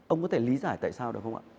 ông có thể lý giải tại sao được không ạ